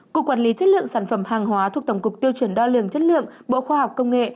cục quản lý chất lượng sản phẩm hàng hóa thuộc tổng cục tiêu chuẩn đo lường chất lượng bộ khoa học công nghệ